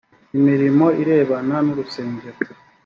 imirimo irebana n urusengero